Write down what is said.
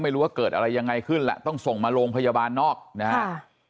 ว่าเกิดอะไรยังไงขึ้นแหละต้องส่งมาโรงพยาบาลนอกนะฮะ